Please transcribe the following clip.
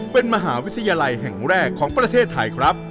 เป็นมหาวิทยาลัยแห่งแรกของประเทศไทยครับ